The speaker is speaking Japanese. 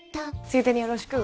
ついでによろしく！